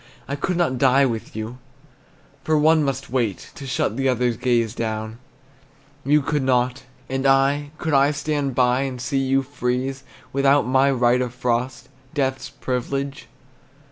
I could not die with you, For one must wait To shut the other's gaze down, You could not. And I, could I stand by And see you freeze, Without my right of frost, Death's privilege?